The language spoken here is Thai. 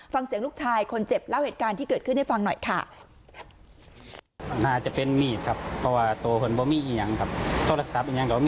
ฟังเสียงลูกชายคนเจ็บเล่าเหตุการณ์ที่เกิดขึ้นให้ฟังหน่อยค่ะ